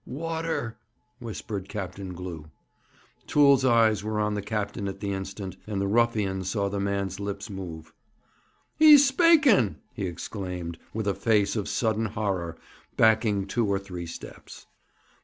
'Water,' whispered Captain Glew. Toole's eyes were on the captain at the instant, and the ruffian saw the man's lips move. 'He's spakin'!' he exclaimed, with a face of sudden horror, backing two or three steps.